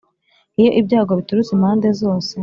Iyo ibyago biturutse impande zose,